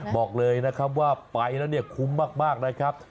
บอกเลยนะครับว่าไปแล้วเนี่ยคุ้มมากนะครับ